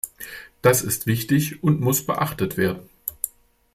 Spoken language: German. Das ist wichtig und muss beachtet werden.